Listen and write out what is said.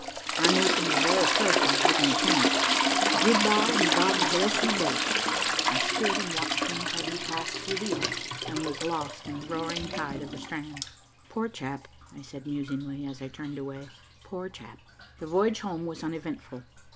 I knew from the very first I had no chance. Good bye, and God bless you both." I stood and watched him till he passed through the arch and was lost in the roaring tide of the Strand. "Poor chap," I said musingly, as I turned away. "Poor chap." The voyage home was uneventful.